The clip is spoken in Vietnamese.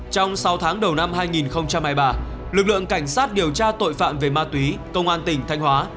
trong sáu tháng đầu năm hai nghìn hai mươi ba lực lượng cảnh sát điều tra tội phạm về ma túy công an tỉnh thanh hóa